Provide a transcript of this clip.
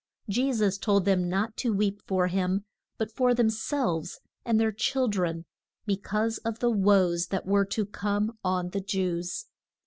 Je sus told them not to weep for him, but for them selves and their chil dren, be cause of the woes that were to come on the Jews.